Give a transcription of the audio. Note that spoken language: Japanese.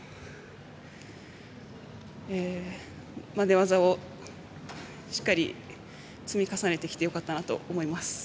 寝技をしっかり積み重ねてきてよかったなと思います。